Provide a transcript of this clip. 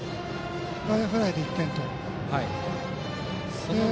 外野フライで１点という。